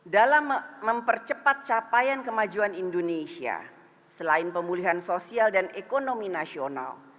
dalam mempercepat capaian kemajuan indonesia selain pemulihan sosial dan ekonomi nasional